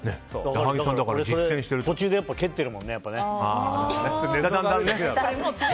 俺も途中で蹴ってるもんね。